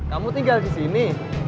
kamu tinggal disini